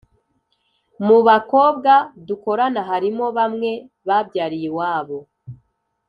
Mubakobwa dukorana harimo bamwe babyariye iwabo